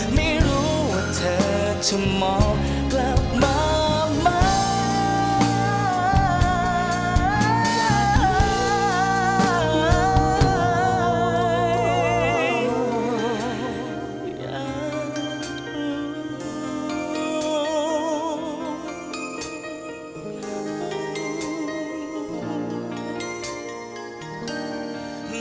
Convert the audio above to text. ไม่รู้ว่าเธอจะมองกลับมาไหม